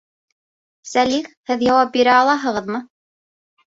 Сәлих, һеҙ яуап бирә алаһығыҙмы?